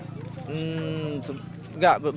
enggak belum dapat bantuan air bersih